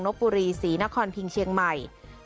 และเพื่อความเป็นสิริมงคลแก่ชีวิตและบ้านเมือง